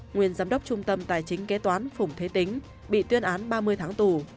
nguyên giám đốc trung tâm tài chính kế toán phùng thế tính bị tuyên án ba mươi tháng tù